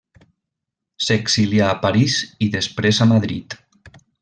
S'exilià a París i després a Madrid.